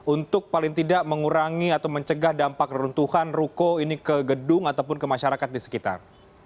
untuk paling tidak mengurangi atau mencegah dampak reruntuhan ruko ini ke gedung ataupun ke masyarakat di sekitar